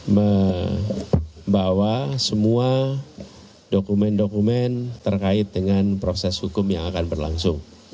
membawa semua dokumen dokumen terkait dengan proses hukum yang akan berlangsung